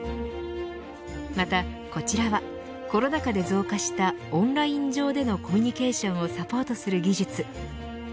またこちらはコロナ禍で増加したオンライン上でのコミュニケーションをサポートする技術。